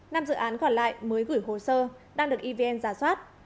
năm dự án còn lại mới gửi hồ sơ đang được evn giả soát